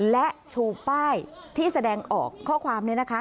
และชูป้ายที่แสดงออกข้อความนี้นะคะ